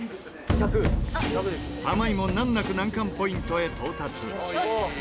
玉井も難なく難関ポイントへ到達。